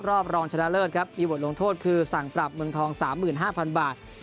รองชนะเลิศครับมีบทลงโทษคือสั่งปรับเมืองทอง๓๕๐๐๐บาท